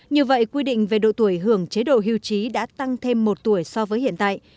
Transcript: như vậy quy định về độ tuổi hưởng chế độ hưu trí đã tăng thêm một tuổi so với hiện tại